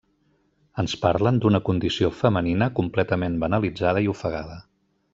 Ens parlen d'una condició femenina completament banalitzada i ofegada.